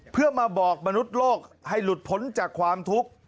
เพื่อมาบอกมนุษย์โลกให้หลุดพ้นจากความทุกข์